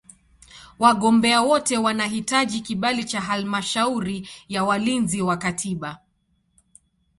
Wagombea wote wanahitaji kibali cha Halmashauri ya Walinzi wa Katiba.